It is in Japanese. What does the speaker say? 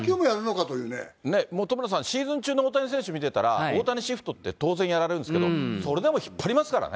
本村さん、シーズン中の大谷選手見てたら、大谷シフトって当然やられるんですけど、それでも引っ張りますからね。